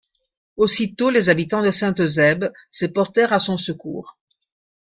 Aussitôt, les habitants de Saint-Eusèbe se portèrent à son secours.